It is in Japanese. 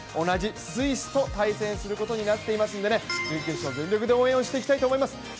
同じスイスと対戦することになっていますので準決勝、全力で応援していきたいと思います。